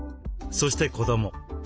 そして子ども。